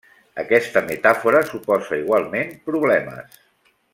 Aquesta metàfora suposa igualment problemes.